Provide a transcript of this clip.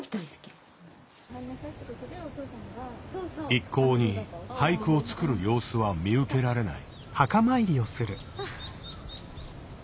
一向に俳句を作る様子は見受けられない。